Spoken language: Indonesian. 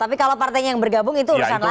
tapi kalau partainya yang bergabung itu urusan lain